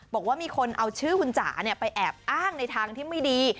บอกว่ามีคนเอาชื่อคุณจ๋าไปแอบอ้างในทางที่ไม่ดี